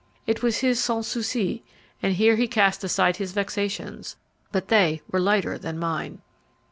It was his sans souci, and here he cast aside his vexations; but they were lighter than mine.